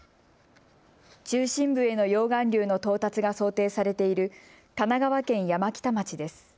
中心部への溶岩流の到達が想定されている神奈川県山北町です。